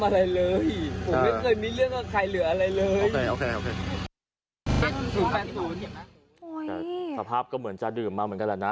แต่สภาพก็เหมือนจะดื่มมาเหมือนกันแหละนะ